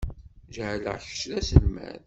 Jeɛleɣ kečč d aselmad.